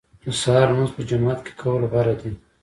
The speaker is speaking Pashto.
د سهار لمونځ په جومات کې کول غوره دي.